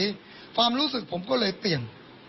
ความรู้สึกผมก็เลยเปลี่ยน